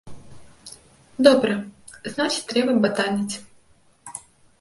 Добра, значыць трэба батаніць.